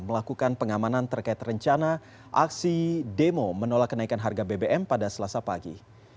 melakukan pengamanan terkait rencana aksi demo menolak kenaikan harga bbm pada selasa pagi